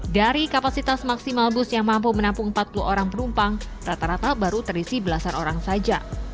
dari kapasitas maksimal bus yang mampu menampung empat puluh orang penumpang rata rata baru terisi belasan orang saja